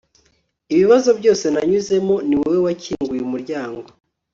ibibazo byose nanyuzemo, niwowe wakinguye umuryango